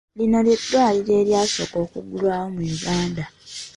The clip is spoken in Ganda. Lino lye dddwaliro eryasooka okuggulwawo mu Uganda?